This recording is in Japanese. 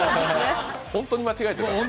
本当に間違えてた。